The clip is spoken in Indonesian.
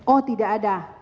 oh tidak ada